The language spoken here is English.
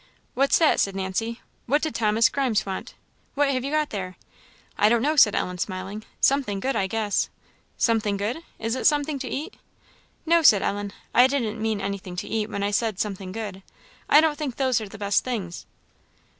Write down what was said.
"What's that?" said Nancy; "what did Thomas Grimes want? what have you got there?" "I don't know," said Ellen, smiling; "something good, I guess." "Something good? is it something to eat?" "No," said Ellen "I didn't mean anything to eat when I said something good; I don't think those are the best things."